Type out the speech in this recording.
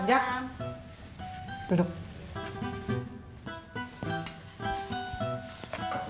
jadi dadah ak générations tunggu